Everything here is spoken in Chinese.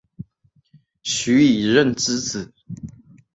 徐以任之子。